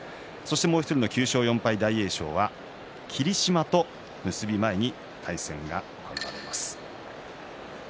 もう１人の９勝４敗大栄翔は霧島と結び前に対戦があります。